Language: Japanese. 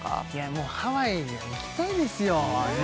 もうハワイに行きたいですよね